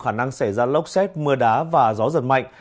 khả năng xảy ra lốc xét mưa đá và gió giật mạnh